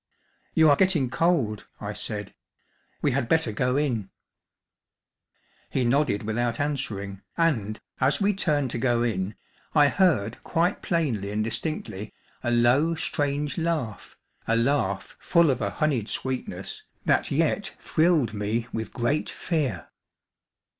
"You are getting cold," I said. "We had better go in." He nodded without answering, and, as we turned to go in, I heard quite plainly and distinctly a low, strange laugh, a laugh full of a honeyed sweetness that yet thrilled me with great fear.